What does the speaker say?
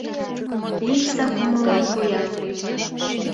Лийза кумыллан поян.